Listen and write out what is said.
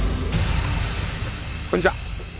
こんにちは。